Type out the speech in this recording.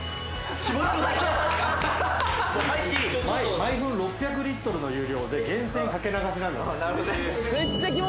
毎分６００リットルの湯量で源泉かけ流しなんだそうです。